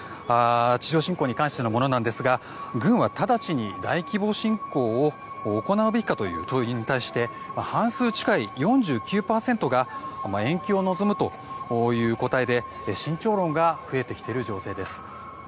地上侵攻に関してのものですが軍は直ちに大規模侵攻を行うべきかという問いに対して半数近い４９％が延期を望むという答えで慎重論が増えてきている情勢です。